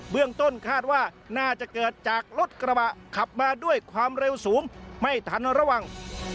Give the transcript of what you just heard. เรื่องต้นคาดว่าน่าจะเกิดจากรถกระบะขับมาด้วยความเร็วสูงไม่ทันระวัง